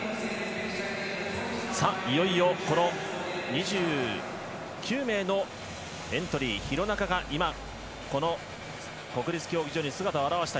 いよいよ２９名のエントリー廣中が今、国立競技場に姿を現した。